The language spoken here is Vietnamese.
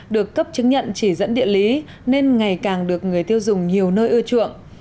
được cấp chứng nhận chỉ dẫn địa lý nên ngày càng được người tiêu dùng nhiều nơi ưa chuộng